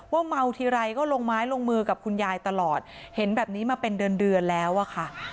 เมาทีไรก็ลงไม้ลงมือกับคุณยายตลอดเห็นแบบนี้มาเป็นเดือนเดือนแล้วอะค่ะ